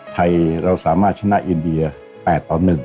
ไทยเราสามารถชนะอินเดีย๘ต่อ๑